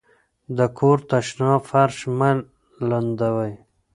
د کور تشناب فرش مه لندوئ.